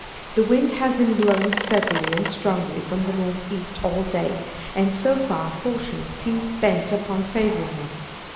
The wind has been blowing steadily and strongly from the north east all day and so far fortune seems bent upon favoring us.